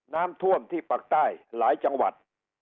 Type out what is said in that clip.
น้ำท่วมที่ปากใต้หลายจังหวัด